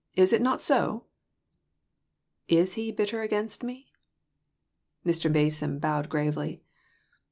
Is it not so ?"" Is he bitter against me ?" Mr. Mason bowed gravely.